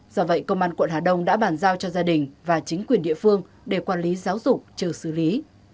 do vậy công an quận hà đông đã bàn giao cho gia đình và chính quyền địa phương để quản lý giáo dục chờ xử lý